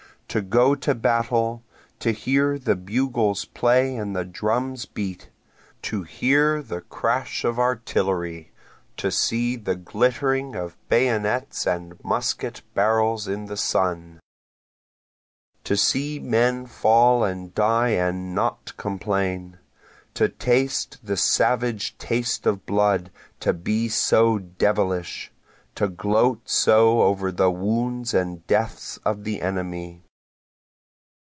To go to battle to hear the bugles play and the drums beat! To hear the crash of artillery to see the glittering of the bayonets and musket barrels in the sun! To see men fall and die and not complain! To taste the savage taste of blood to be so devilish! To gloat so over the wounds and deaths of the enemy.